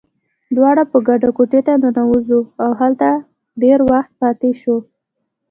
دواړه په ګډه کوټې ته ننوزو، او هلته ډېر وخت پاتې شو.